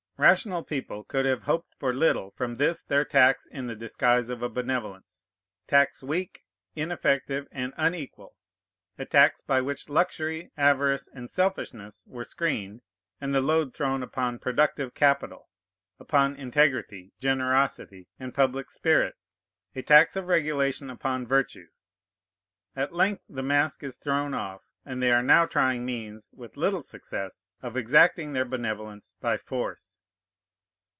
Rational people could have hoped for little from this their tax in the disguise of a benevolence, tax weak, ineffective, and unequal, a tax by which luxury, avarice, and selfishness were screened, and the load thrown upon productive capital, upon integrity, generosity, and public spirit, a tax of regulation upon virtue. At length the mask is thrown off, and they are now trying means (with little success) of exacting their benevolence by force.